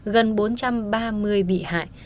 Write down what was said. gần bốn trăm ba mươi bị hại